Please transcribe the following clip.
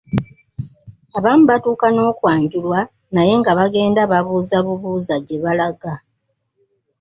Abamu batuuka n’okwanjulwa naye nga bagenda babuuzabubuuza gye balaga.